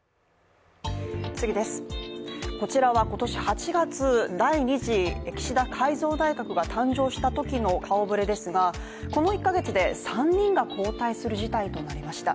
こちらは今年８月、第２次岸田改造内閣が誕生したときの顔ぶれですがこの１か月で３人が交代する事態となりました。